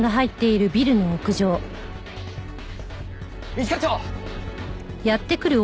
一課長！